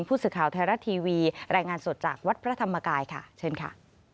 ผู้สื่อข่าวไทยรัฐทีวีรายงานสดจากวัดพระธรรมกายค่ะเชิญค่ะ